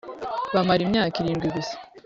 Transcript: bamarana imyaka irindwi gusa